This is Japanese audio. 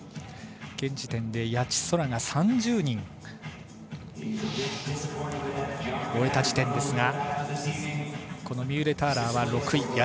現時点で谷地宙が３０人終えた時点ですがこのミューレターラーは６位。